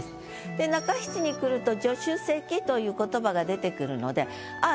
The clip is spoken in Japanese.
で中七に来ると「助手席」という言葉が出てくるのであっ